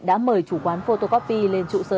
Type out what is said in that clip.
đã mời chủ quán photocopy lên trụ sở